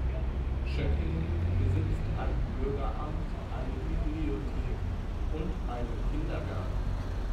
Schöckingen besitzt ein Bürgeramt, eine Bibliothek und einen Kindergarten.